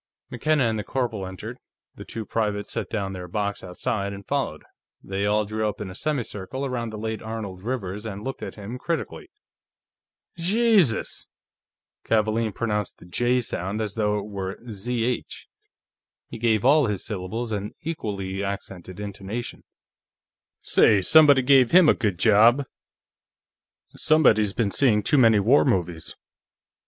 McKenna and the corporal entered; the two privates set down their box outside and followed. They all drew up in a semicircle around the late Arnold Rivers and looked at him critically. "Jesus!" Kavaalen pronounced the J sound as though it were Zh; he gave all his syllables an equally accented intonation. "Say, somebody gave him a good job!" "Somebody's been seeing too many war movies."